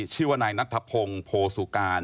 ชื่อว่านายนัทธพงศ์โพสุการ